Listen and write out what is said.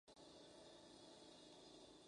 Marta teme volverse loca.